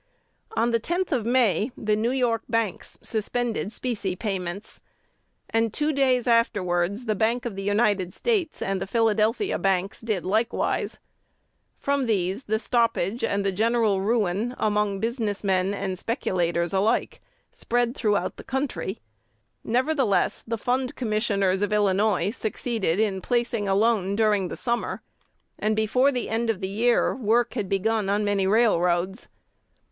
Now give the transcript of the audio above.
On the 10th of May, the New York banks suspended specie payments, and two days afterwards the Bank of the United States and the Philadelphia banks did likewise. From these the stoppage and the general ruin, among business men and speculators alike, spread throughout the country. Nevertheless, the Fund Commissioners of Illinois succeeded in placing a loan during the summer, and before the end of the year work had begun on many railroads.